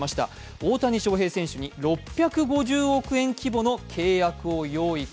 大谷翔平選手に６５０億円規模の契約を用意か？